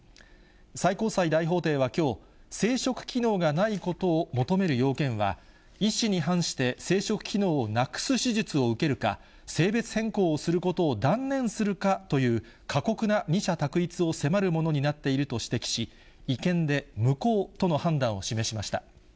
最高裁大法廷はきょう、生殖機能がないことを求める要件は、意思に反して生殖機能をなくす手術を受けるか、性別変更をすることを断念するかという、過酷な二者択一を迫るものになっていると指摘し、違憲で無効との判断を示しました。